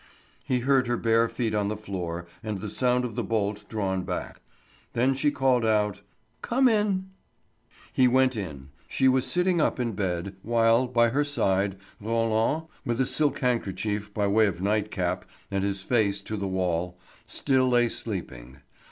He heard her bare feet on the floor and the sound of the bolt drawn back. Then she called out: "Come in." He went in. She was sitting up in bed, while, by her side, Roland, with a silk handkerchief by way of night cap and his face to the wall, still lay sleeping.